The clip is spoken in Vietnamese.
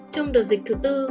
trong đợt dịch thứ bốn